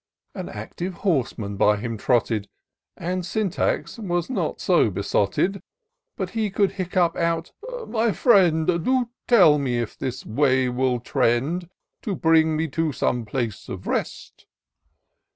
An active horseman by him trotted. And Syntax was not so besotted But he could hiccup out, " My friend, Do tell me if this way will tend To bring me to some place of rest